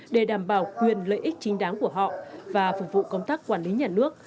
để đảm bảo quyền lợi ích chính đáng của họ và phục vụ công tác quản lý nhà nước